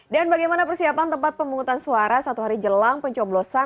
dan bagaimana persiapan tempat pemungutan suara satu hari jelang pencoblosan